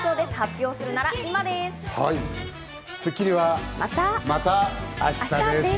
『スッキリ』はまた明日です。